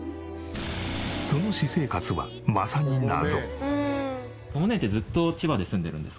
その私生活はまさに謎。